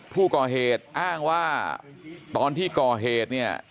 ผู้ก่อเหตุอ้างว่าตอนที่ก่อเหตุเนี่ย